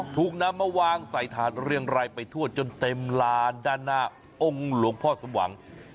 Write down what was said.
ถูกนำมาวางใส่ถาดเรียงรายไปทั่วจนเต็มลานด้านหน้าองค์หลวงพ่อสมหวัง